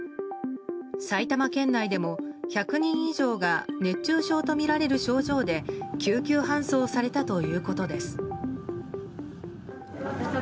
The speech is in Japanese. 埼玉県内でも１００人以上が熱中症とみられる症状で救急搬送されたということです。